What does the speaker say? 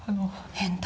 変態。